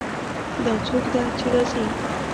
دا څوک ده چې راځي